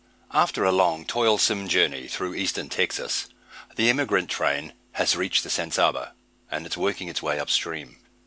After a long toilsome journey through Eastern Texas, the emigrant train has reached the San Saba, and is working its way up stream.